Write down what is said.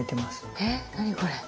えっ何これ。